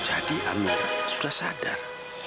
jadi amira sudah sadar